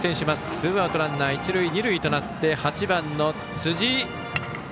ツーアウトランナー、一塁二塁となって８番、辻井。